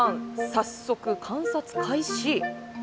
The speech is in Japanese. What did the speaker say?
早速、観察開始。